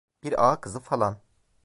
Bir ağa kızı falan…